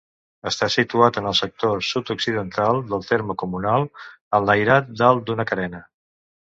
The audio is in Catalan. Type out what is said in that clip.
Està situat en el sector sud-occidental del terme comunal, enlairat dalt d'una carena.